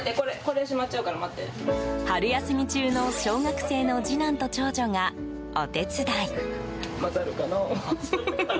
春休み中の小学生の次男と長女がお手伝い。